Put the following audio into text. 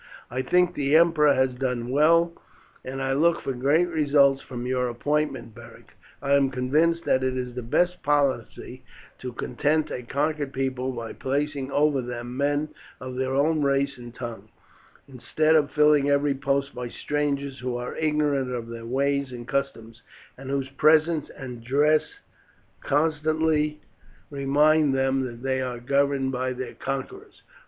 "I think the emperor has done well, and I look for great results from your appointment, Beric. I am convinced that it is the best policy to content a conquered people by placing over them men of their own race and tongue, instead of filling every post by strangers who are ignorant of their ways and customs, and whose presence and dress constantly remind them that they are governed by their conquerors.